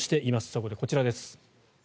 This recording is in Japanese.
そこでこちらです。